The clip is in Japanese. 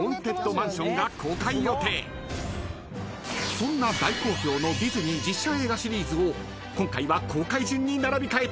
［そんな大好評のディズニー実写映画シリーズを今回は公開順に並び替えてもらいます］